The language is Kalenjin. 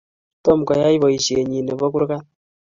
Tomo koyai poishenyi nebo kuragat